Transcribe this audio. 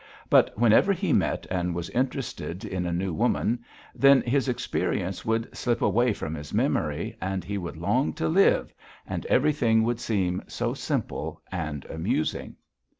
But whenever he met and was interested in a new woman, then his experience would slip away from his memory, and he would long to live, and everything would seem so simple and amusing.